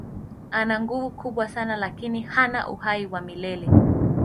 Ana nguvu kubwa sana lakini hana uhai wa milele.